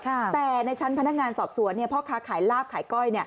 แต่ในชั้นพนักงานสอบสวนพ่อค้าขายลาบขายก้อย